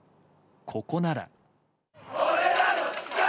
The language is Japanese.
ここなら。